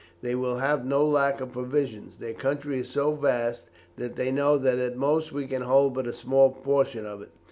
They will have no lack of provisions. Their country is so vast that they know that at most we can hold but a small portion of it.